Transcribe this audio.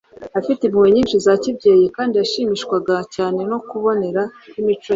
afite impuhwe nyinshi za kibyeyi. Kandi yashimishwaga cyane no kubonera kw'imico ye.